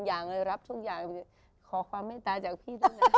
จะได้กลับมาอย่างไร